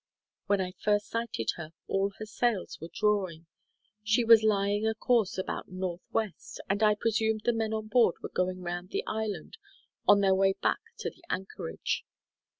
When I first sighted her, all her sails were drawing; she was lying a course about north west; and I presumed the men on board were going round the island on their way back to the anchorage.